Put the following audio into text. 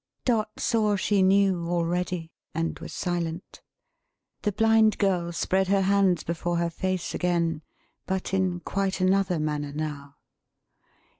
Dot saw she knew, already; and was silent. The Blind Girl spread her hands before her face again. But in quite another manner now.